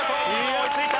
追いついた。